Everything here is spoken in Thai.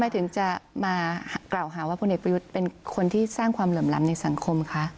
ถึงจะมากล่าวหาว่าพลเอกประยุทธ์เป็นคนที่สร้างความเหลื่อมล้ำในสังคมคะ